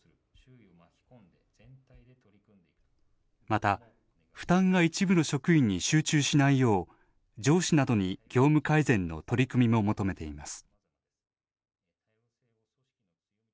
また、負担が一部の職員に集中しないよう、上司などに業務改善の取り組みも求めています。